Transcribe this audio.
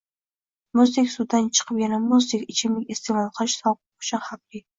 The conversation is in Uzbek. muzdek suvdan chiqib yana muzdek ichimlik iste’mol qilish sog‘liq uchun xavfli.